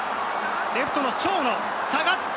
レフト・長野、下がって。